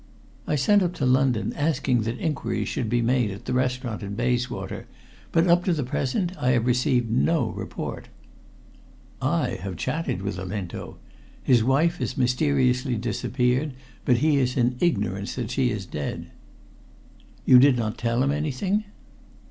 "I sent up to London asking that inquiries should be made at the restaurant in Bayswater, but up to the present I have received no report." "I have chatted with Olinto. His wife has mysteriously disappeared, but he is in ignorance that she is dead." "You did not tell him anything?"